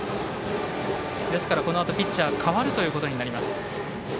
このあとピッチャーが代わるということになります。